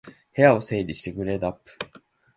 部屋を整理してグレードアップ